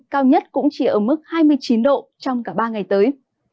cao nhất cũng chỉ ở mức hai mươi chín độ trong cả ba ngày tới